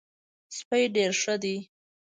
سپی ډېر ښه دی.